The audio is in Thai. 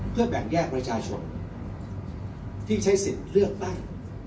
เพื่อแบ่งแยกประชาชนที่ใช้สิทธิ์เลือกตั้ง